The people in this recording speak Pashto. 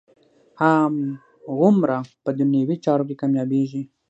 هماغومره په دنیوي چارو کې کامیابېږي.